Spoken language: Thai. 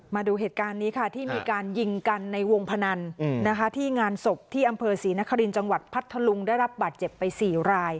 มาดูเหตุการณ์นี้ค่ะที่มีการยิงกันในวงพนันที่งานศพที่อำเภอศรีนครินทร์จังหวัดพัทธลุงได้รับบาดเจ็บไป๔ราย